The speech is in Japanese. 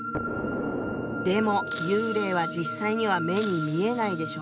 でも幽霊は実際には目に見えないでしょ？